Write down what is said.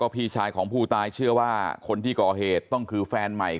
พี่ชายของผู้ตายเชื่อว่าคนที่ก่อเหตุต้องคือแฟนใหม่